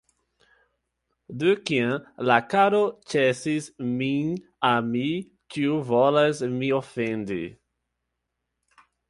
De kiam la caro ĉesis min ami, ĉiu volas min ofendi!